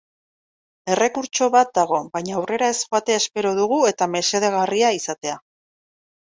Errekurtso bat dago, baina aurrera ez joatea espero dugu eta mesedegarria izatea.